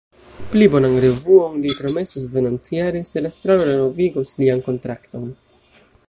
Pli bonan revuon li promesas venontjare, se la estraro renovigos lian kontrakton.